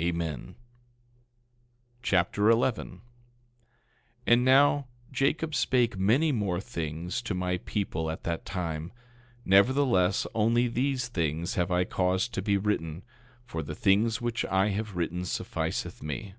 Amen. 2 Nephi Chapter 11 11:1 And now, Jacob spake many more things to my people at that time; nevertheless only these things have I caused to be written, for the things which I have written sufficeth me.